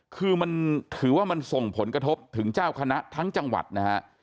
คือมันถือว่ามันส่งผลกระทบถึงเจ้าคณะทั้งจังหวัดนะฮะ